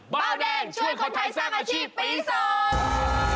เบาแดงช่วยคนไทยสร้างอาชีพปีสอง